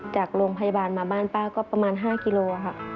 จากโรงพยาบาลมาบ้านป้าก็ประมาณ๕กิโลค่ะ